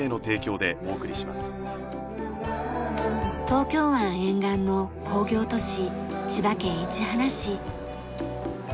東京湾沿岸の工業都市千葉県市原市。